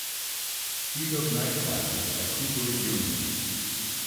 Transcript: He took night classes at Cooper Union.